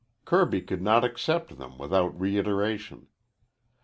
Kirby could not accept them without reiteration.